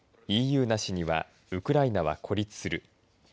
ＥＵなしにはウクライナは孤立する。